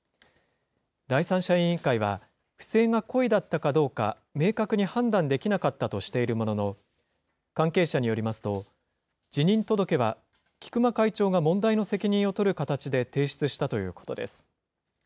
第三者委員会は、不正が故意だったかどうか、明確に判断できなかったとしているものの、関係者によりますと、辞任届は菊間会長が問題の責任を取る形で提出したということです。